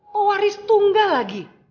pewaris tunggal lagi